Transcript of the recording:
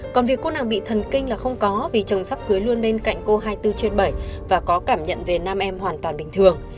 còn việc cô nào bị thần kinh là không có vì chồng sắp cưới luôn bên cạnh cô hai mươi bốn trên bảy và có cảm nhận về nam em hoàn toàn bình thường